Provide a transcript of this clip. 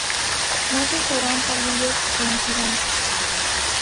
No se usaran palillos coincidentes.